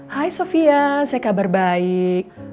hai sofia saya kabar baik